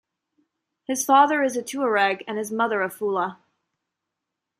His father is a Tuareg and his mother a Fula.